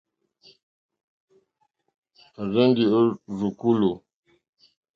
Ó rzènjé rzùkúlù.